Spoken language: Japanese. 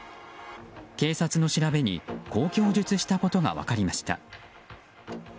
警察の調べにこう供述したことが分かりました。